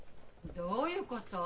どういうこと？